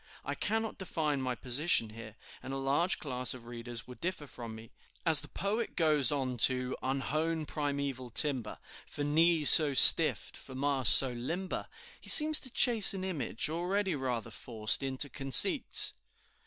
I cannot define my position here, and a large class of readers would differ from me. As the poet goes on to "Unhewn primeval timber, For knees so stiff, for masts so limber." he seems to chase an image, already rather forced, into conceits.